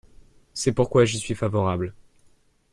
C’est pourquoi j’y suis favorable.